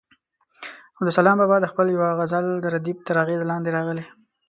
عبدالسلام بابا د خپل یوه غزل د ردیف تر اغېز لاندې راغلی.